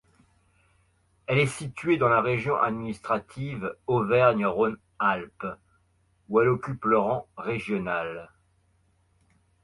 Elle est située dans la région administrative Auvergne-Rhône-Alpes où elle occupe le rang régional.